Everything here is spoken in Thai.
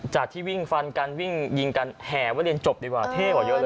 ที่วิ่งฟันกันวิ่งยิงกันแห่ไว้เรียนจบดีกว่าเท่กว่าเยอะเลย